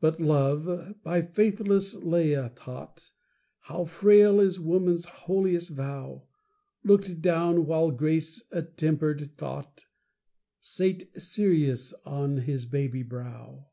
But Love, by faithless Laia taught How frail is woman's holiest vow, Look'd down, while grace attempered thought Sate serious on his baby brow.